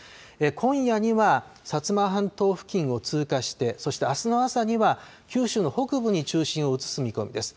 今夜には薩摩半島付近を通過してそして、あすの朝には九州の北部に中心を移す見込みです。